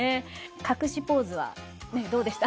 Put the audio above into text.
隠しポーズはどうでした？